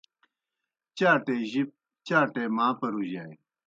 چاٹے جِب چاٹے ماں پرُوجانیْ